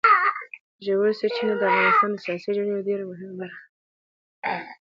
ژورې سرچینې د افغانستان د سیاسي جغرافیې یوه ډېره مهمه برخه ده.